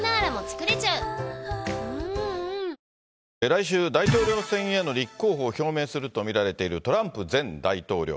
来週、大統領選への立候補を表明すると見られているトランプ前大統領。